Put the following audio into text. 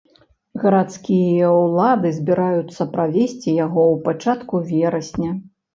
Гарадскія ўлады збіраюцца правесці яго ў пачатку верасня.